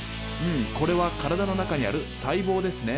これは体の中にある細胞ですね。